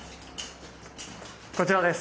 こちらです。